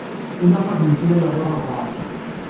Ilaq ad meslayeɣ i walebɛaḍ.